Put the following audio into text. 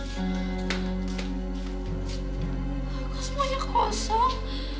kok semuanya kosong